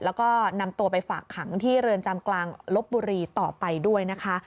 แล้วก็นำตัวไปฝากขังที่เรือนจำกลางลบบุรีต่อไปด้วยนะคะ